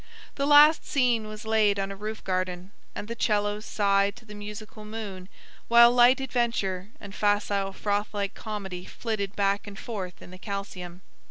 The last scene was laid on a roof garden, and the cellos sighed to the musical moon, while light adventure and facile froth like comedy flitted back and forth in the calcium.